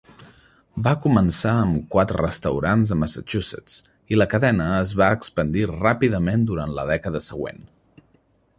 Va començar amb quatre restaurants a Massachusetts i la cadena es va expandir ràpidament durant la dècada següent.